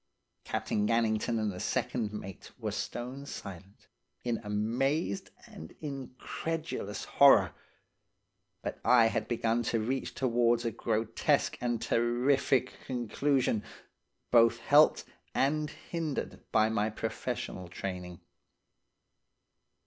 "Captain Gannington and the second mate were stone silent, in amazed and incredulous horror, but I had begun to reach towards a grotesque and terrific conclusion, both helped and hindered by my professional training.